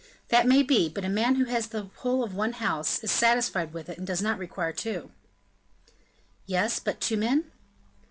"That may be; but a man who has the whole of one house, is satisfied with it, and does not require two." "Yes, but two men?"